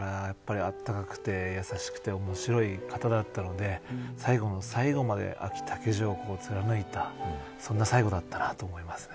温かくて優しくて面白い方だったので最後の最後まであき竹城を貫いたそんな最期だったなと思いますね。